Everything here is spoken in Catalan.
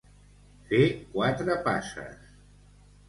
Fer quatre passes.